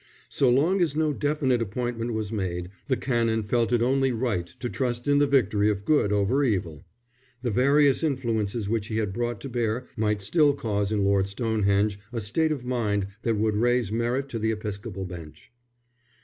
So long as no definite appointment was made, the Canon felt it only right to trust in the victory of good over evil. The various influences which he had brought to bear might still cause in Lord Stonehenge a state of mind that would raise merit to the episcopal bench.